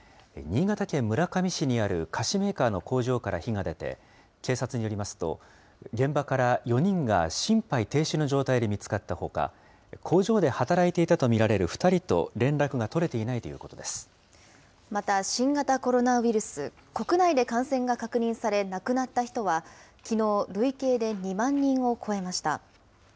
新潟県村上市にある菓子メーカーの工場から火が出て、警察によりますと、現場から４人が心肺停止の状態で見つかったほか、工場で働いていたと見られる２人と連絡が取れていないということまた、新型コロナウイルス、国内で感染が確認され亡くなった人は、きのう、累計で２万人を超えました。